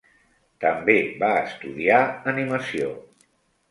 També va estudiar animació.